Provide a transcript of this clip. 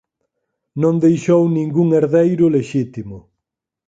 Non deixou ningún herdeiro lexítimo.